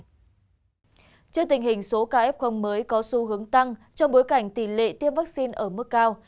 trước tình hình số ca f mới có xu hướng tăng trong bối cảnh tỷ lệ tiêm vaccine ở mức cao